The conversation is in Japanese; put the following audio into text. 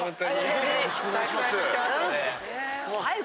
よろしくお願いします。